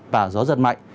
và gió giật mạnh